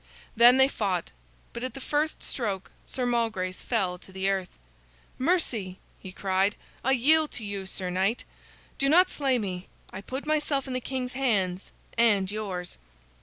Then they fought, but at the first stroke Sir Malgrace fell to the earth. "Mercy!" he cried, "I yield to you, Sir Knight. Do not slay me. I put myself in the king's hands and yours."